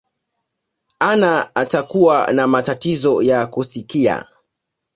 anna utakuwa na matatizo ya kusikia